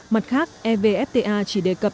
mặt khác evfta chỉ đề cập